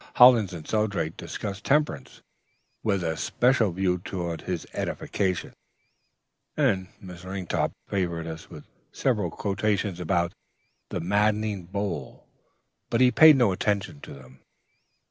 Hollins and Shelldrake discussed Temperance, with a special view to his edification, and Miss Ringtop favored us with several quotations about 'the maddening bowl,' but he paid no attention to them....